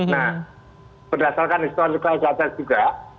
nah berdasarkan historis kata kata juga